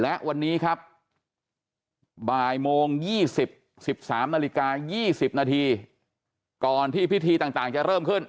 และวันนี้ครับบ่ายโมง๒๐๑๓นาฬิกา๒๐นาทีก่อนที่พิธีต่างจะเริ่มขึ้น